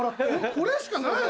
これしかないの？